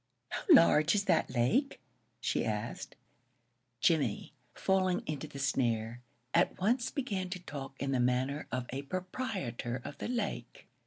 "How large is that lake?" she asked. Jimmie, falling into the snare, at once began to talk in the manner of a proprietor of the lake.